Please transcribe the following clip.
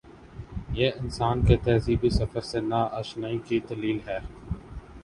یہ انسان کے تہذیبی سفر سے نا آ شنائی کی دلیل ہے۔